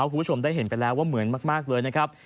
คุณผู้ชมได้เห็นไปแล้วว่าเหมือนมากเลยนะครับ